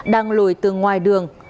đang lùi từ ngoài đường